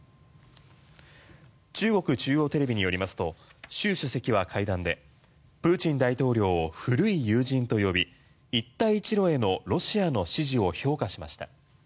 中国中央テレビによりますと習主席は会談でプーチン大統領を古い友人と呼び一帯一路へのロシアの支持を評価しました。